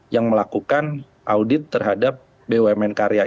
yang melakukan audit terhadap bumn karya